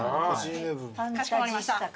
かしこまりました。